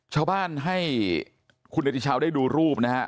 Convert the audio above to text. ชาวบ้านให้คุณเนติชาวได้ดูรูปนะฮะ